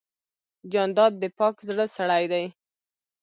جانداد د پاک زړه سړی دی.